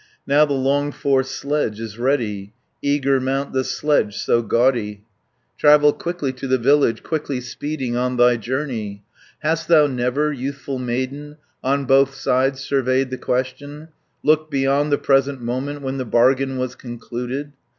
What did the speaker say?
60 Now the longed for sledge is ready, Eager mount the sledge so gaudy, Travel quickly to the village, Quickly speeding on thy journey. "Hast thou never, youthful maiden, On both sides surveyed the question, Looked beyond the present moment, When the bargain was concluded?